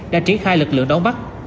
đã triển khai lực lượng đóng bắt